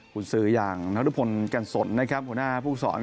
คุณซื้ออย่างนรุพลกันสนนะครับหัวหน้าผู้สอน